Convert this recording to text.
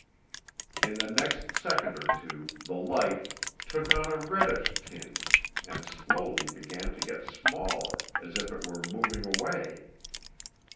In the next second or two the light "took on a reddish tinge, and slowly began to get smaller, as if it were moving away."